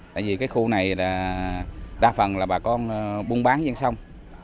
tại vì cái khu này đa phần là bà con buôn bán dân sông